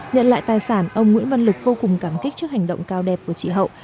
nhận lại tài sản ông nguyễn văn lực vô cùng cảm kích trước hành động cao đẹp của chị hậu